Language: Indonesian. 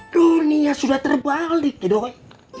dunia sudah terbalik ya dong